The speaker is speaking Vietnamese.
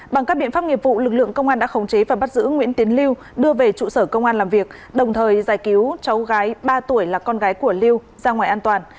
bằng các biện pháp nghiệp vụ lực lượng công an đã khống chế và bắt giữ nguyễn tiến lưu đưa về trụ sở công an làm việc đồng thời giải cứu cháu gái ba tuổi là con gái của lưu ra ngoài an toàn